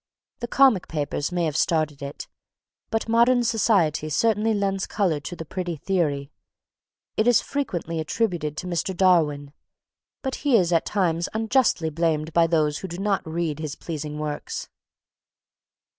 The comic papers may have started it, but modern society certainly lends colour to the pretty theory. It is frequently attributed to Mr. Darwin, but he is at times unjustly blamed by those who do not read his pleasing works.